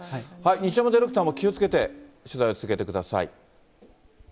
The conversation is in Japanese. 西山ディレクターも気をつけて取材を続けてください。